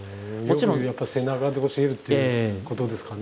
やっぱ背中で教えるっていうことですかね。